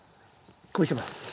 こうします。